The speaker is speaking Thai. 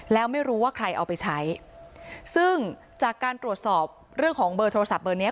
แล้วไม่รู้ว่าใครเอาไปใช้ซึ่งจากการตรวจสอบเรื่องของเบอร์โทรศัพท์เบอร์เนี้ย